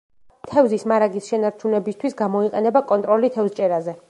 თევზის მარაგის შენარჩუნებისთვის გამოიყენება კონტროლი თევზჭერაზე.